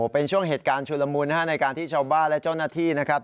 เป็นช่วงเหตุการณ์ชุลมุนในการที่ชาวบ้านและเจ้าหน้าที่นะครับ